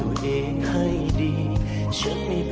โอ้โหขอบคุณครับ